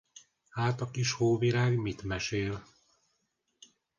Hát a kis hóvirág mit mesél?